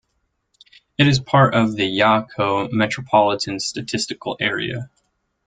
It is part of the Yauco Metropolitan Statistical Area.